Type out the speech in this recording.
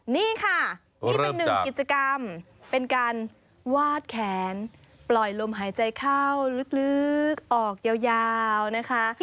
นี่ค่ะนี่เป็นหนึ่งกิจกรรมเป็นการวาดแขนปล่อยลมหายใจเข้าลึกออกยาวนะคะ